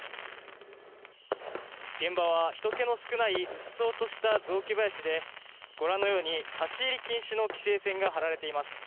現場はひとけの少ないうっそうとした雑木林で立ち入り禁止の規制線が張られています。